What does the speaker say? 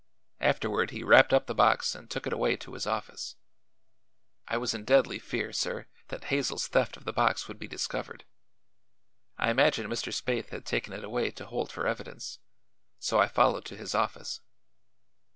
Afterward he wrapped up the box and took it away to his office. I was in deadly fear, sir, that Hazel's theft of the box would be discovered. I imagined Mr. Spaythe had taken it away to hold for evidence; so I followed to his office."